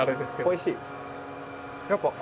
おいしい！